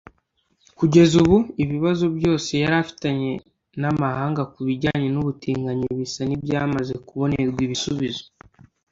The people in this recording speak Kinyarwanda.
Kugeza ubu ibibazo byose yari afitanye n’amahanga ku bijyanye n’ubutinganyi bisa n’ibyamaze kubonerwa ibisubizo